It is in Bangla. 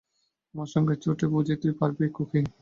আমার সঙ্গে ছুটে বুঝি তুই পারবি, খুকি?